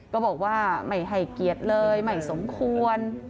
ก็บอกว่าไม่ให้เกียรติเลยไม่สมควร